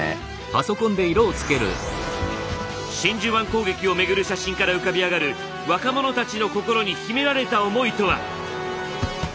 真珠湾攻撃をめぐる写真から浮かび上がる若者たちの心に秘められた思いとは。